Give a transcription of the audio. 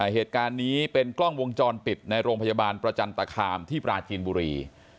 เหตุการณ์นี้เป็นกล้องวงจรปิดในโรงพยาบาลประจันตคามที่ปราจีนบุรี